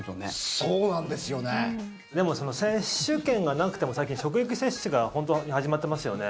でも、接種券がなくても最近、職域接種が本当に始まってますよね。